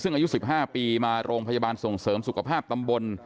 ซึ่งอายุ๑๕ปีมาโรงพยาบาลส่งเสริมสุขภาพตำบล